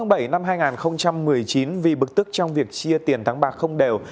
ngày sáu bảy hai nghìn một mươi chín vì bực tức trong việc chia tiền thắng bạc không đều